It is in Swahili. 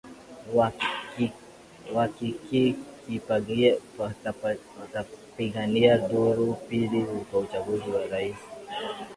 waki ki ki watapigania duru ya pili kwa uchaguzi wa rais